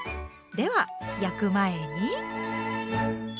では焼く前に。